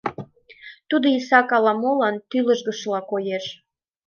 Тудо исак ала-молан тӱлыжгышыла коеш.